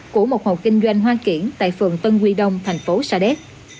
của một hộ kinh doanh hoa kiển tại phường tân quy đông thành phố sà đét